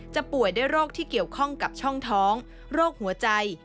ป่วยด้วยโรคที่เกี่ยวข้องกับช่องท้องโรคหัวใจ